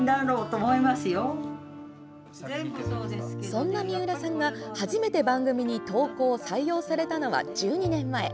そんな三浦さんが初めて番組に投稿・採用されたのは１２年前。